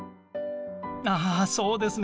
ああそうですね。